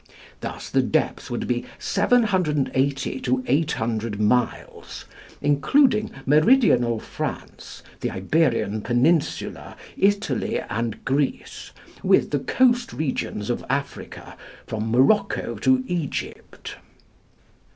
Thus the depth would be 780 to 800 miles, including meridional France, the Iberian Peninsula, Italy and Greece, with the coast regions of Africa from Morocco to Egypt.